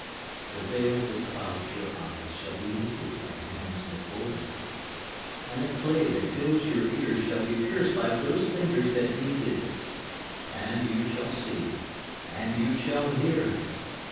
The veil that clouds your eyes shall be lifted by the hands that wove it, And the clay that fills your ears shall be pierced by those fingers that kneaded it. And you shall see. And you shall hear.